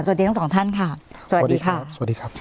สวัสดีทั้งสองท่านค่ะสวัสดีครับ